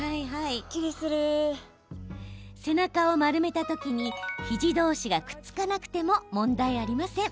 背中を丸めた時に肘同士がくっつかなくても問題ありません。